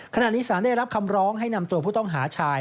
ขณะนี้สารได้รับคำร้องให้นำตัวผู้ต้องหาชาย